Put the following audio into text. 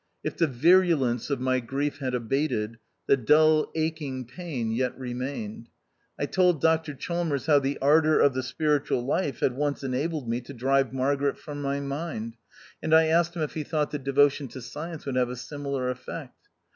If the virulence of my grief had abated, the dull aching pain yet remained. I told Dr Chalmers how the ardour of the spiritual life had once enabled me to drive Margaret from my mind, and I asked him if he thought that de votion to science would have a similar effect.